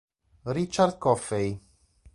Richard Coffey